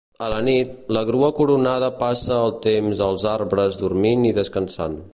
A la nit, la grua coronada passa el temps als arbres dormint i descansant.